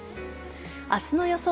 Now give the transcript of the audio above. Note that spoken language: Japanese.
明日の予想